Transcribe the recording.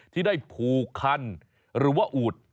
ที่ได้ผูกคันหรือว่าอูด